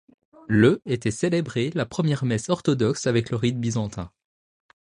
Le était célébrée la première messe orthodoxe avec le rite byzantin.